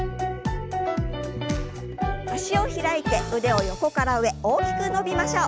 脚を開いて腕を横から上大きく伸びましょう。